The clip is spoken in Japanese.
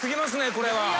これは。